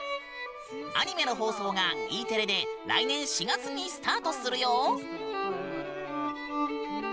アニメの放送が、Ｅテレで来年４月にスタートするよ！